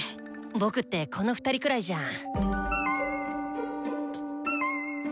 「僕」ってこの２人くらいじゃん。